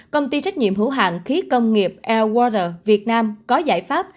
công ty trách nhiệm hữu hạng khí công nghiệp lur việt nam có giải pháp